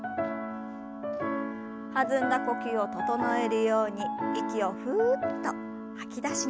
弾んだ呼吸を整えるように息をふっと吐き出しながら。